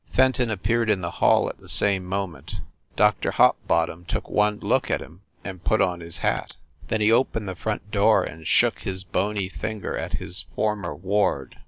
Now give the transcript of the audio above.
Fenton appeared in the hall at the same moment. Doctor Hopbottom took one look at him and put on his hat. Then he opened the front door and shook his bony finger at his former ward.